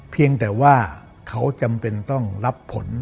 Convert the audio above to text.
เพียงแต่ว่าเขาจำเป็นต้องรับผล